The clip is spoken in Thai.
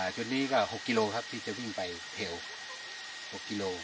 จุดนี้ก็๖กิโลครับที่จะวิ่งไปเทล